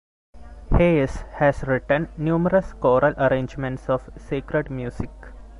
Hayes has written numerous choral arrangements of sacred music.